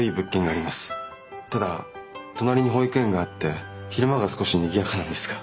ただ隣に保育園があって昼間が少しにぎやかなんですが。